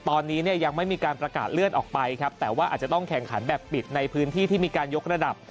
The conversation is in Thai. ตอนนี้เนี่ยยังไม่มีการประกาศเลื่อนออกไปครับแต่ว่าอาจจะต้องแข่งขันแบบปิดในพื้นที่ที่มีการยกระดับ